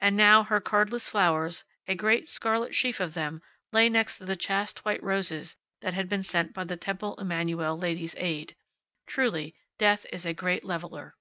And now her cardless flowers, a great, scarlet sheaf of them, lay next the chaste white roses that had been sent by the Temple Emanu el Ladies' Aid. Truly, death is a great leveler.